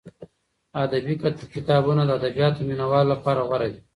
ادبي کتابونه د ادبیاتو مینه والو لپاره غوره دي.